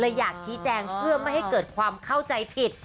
อยากชี้แจงเพื่อไม่ให้เกิดความเข้าใจผิด